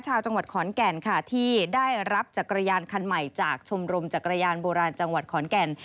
ชาวจังหวัดขอนแก่นค่ะที่ได้รับจักรยานคันใหม่จากชมรมจักรยานโบราณจังหวัดขอนแก่น